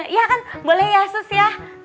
iya kan boleh ya sus ya